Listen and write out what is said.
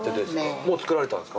もう作られたんですか？